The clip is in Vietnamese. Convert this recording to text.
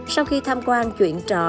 sau khi tham quan chuyện trò